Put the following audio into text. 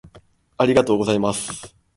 「ありがとうございます」